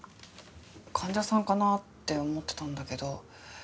患者さんかなって思ってたんだけど。